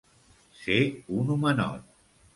Ser un homenot.